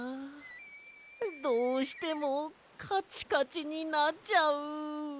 どうしてもカチカチになっちゃう。